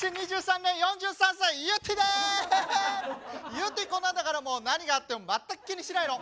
ゆってぃこんなんだからもう何があっても全く気にしないの。